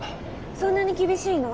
そんなに厳しいの？